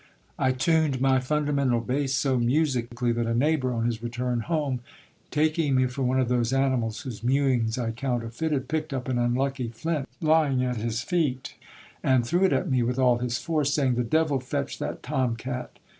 I tuned my fundamental bass so musically, that a neighbour, on his return home, taking me for one of those animals whose mewings I counterfeited, picked up an unlucky flint lying at his feet, and threw it at me with all his force, saying — The devil fetch that torn cat